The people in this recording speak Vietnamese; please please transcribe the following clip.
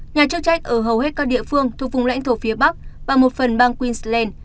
nhà chức trách ở hầu hết các địa phương thuộc vùng lãnh thổ phía bắc và một phần bang queensland